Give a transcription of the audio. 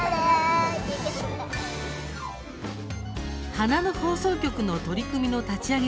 花の放送局の取り組みの立ち上げ